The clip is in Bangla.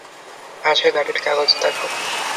আসো, গাড়ির কাগজ দেখাও।